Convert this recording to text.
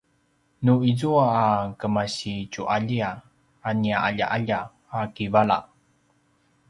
nu izua a kemasitju’alja a nia ’alja’alja a kivala